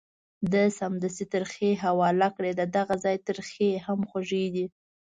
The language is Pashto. ده سمدستي ترخې حواله کړې، ددغه ځای ترخې هم خوږې دي.